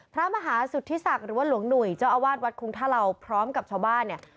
พระมหาสุธิศักดิ์หรือว่าหลวงหนุ่ยเจ้าอาวาสวัดคุงท่าเหล่าพร้อมกับชาวบ้านเนี่ย